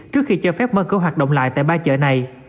trước khi cho phép mở cửa hoạt động lại tại ba chợ này